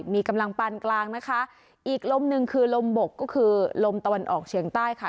มีกำลังปานกลางนะคะอีกลมหนึ่งคือลมบกก็คือลมตะวันออกเฉียงใต้ค่ะ